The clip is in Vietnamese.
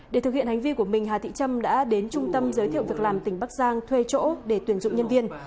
để thực hiện hành vi của mình hà thị trâm đã đến trung tâm giới thiệu việc làm tỉnh bắc giang thuê chỗ để tuyển dụng nhân viên